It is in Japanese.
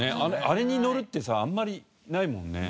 あれに乗るってさあんまりないもんね。